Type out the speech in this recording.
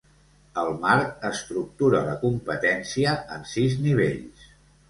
El marc estructura la competència en sis nivells.